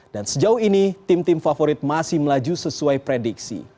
dan sejauh ini tim tim favorit masih melaju sesuai prediksi